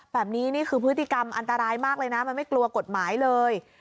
นี่คือพฤติกรรมอันตรายมากเลยนะมันไม่กลัวกฎหมายเลย